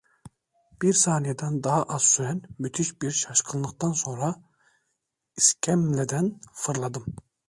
Bir saniyeden daha az süren müthiş bir şaşkınlıktan sonra iskemleden fırladım.